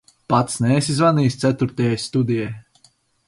Pats neesi zvanījis ceturtajai studijai?